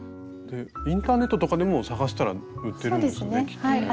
インターネットとかでも探したら売ってるんですよねきっとね。